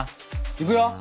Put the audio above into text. いくよ。